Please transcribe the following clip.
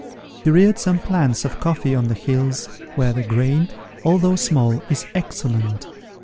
He reared some plants of coffee on the hills, where the grain, although small, is excellent.